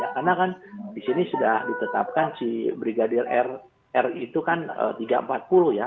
karena kan disini sudah ditetapkan si brigadir ri itu kan tiga ratus empat puluh ya